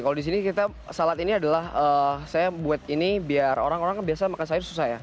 kalau di sini kita salad ini adalah saya buat ini biar orang orang biasa makan sayur susah ya